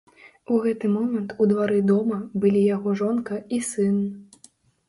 У гэты момант у двары дома былі яго жонка і сын.